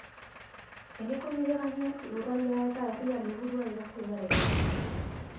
Eneko Bidegainek Lurraldea eta Herria liburua idatzi berri du.